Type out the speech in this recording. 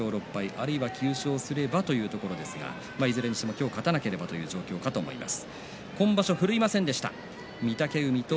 あるいは９勝すればということですがいずれにしても今日勝たなければという状況です。